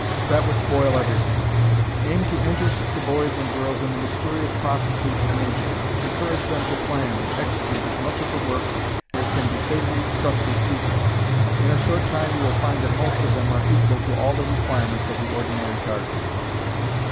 That would spoil everything. Aim to interest the boys and girls in the mysterious processes of nature. Encourage them to plan and execute as much of the work as can safely be trusted to them. In a short time you will find that most of them are equal to all the requirements of the ordinary garden.